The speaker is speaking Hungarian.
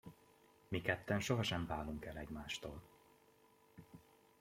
Mi ketten sohasem válunk el egymástól!